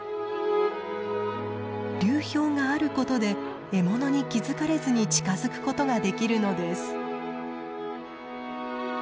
流氷があることで獲物に気付かれずに近づくことができるのです。